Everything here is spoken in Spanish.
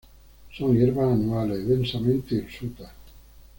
Son hierbas anuales, densamente hirsutas.